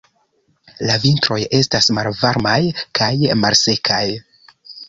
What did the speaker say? La vintroj estas malvarmaj kaj malsekaj.